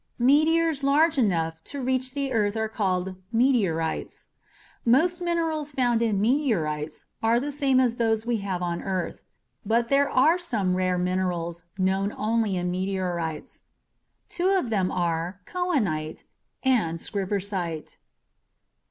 Meteors large enough to reach the earth are called meteorites. Most minerals found in meteorites are the same as those we have on earth. But, there are some rare minerals known only in meteorites. Two of them are cohenite and schreibersite.